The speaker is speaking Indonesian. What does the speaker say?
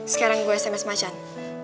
sekarang gue sms macan